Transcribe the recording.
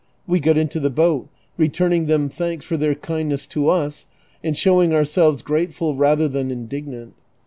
AVe got into the boat, returning them thanks for their kindness to us, and showing ourselves grateful rather than indig nant.